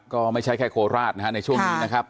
ก็ไม่ใช่แค่โคราชนะฮะในช่วงนี้นะครับ